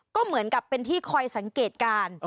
ก็เหมือนกับเป็นที่คอยสังเกตการณ์